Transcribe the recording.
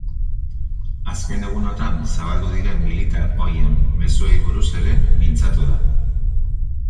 Azken egunotan zabaldu diren militar ohien mezuei buruz ere mintzatu da.